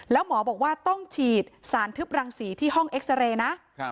แล้วหมอบอกว่าต้องฉีดสารทึบรังสีที่ห้องเอ็กซาเรย์นะ